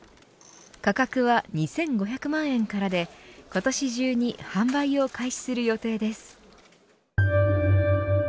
価格は２５００万円からで今年中に販売を開始する予定です。